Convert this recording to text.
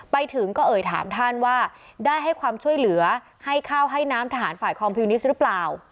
ไปถึงก็เอ่ยถามท่านว่าได้ให้ความช่วยเหลือให้ข้าวให้น้ำทหารฝ่ายคอมพิวนิสต์หรือเปล่า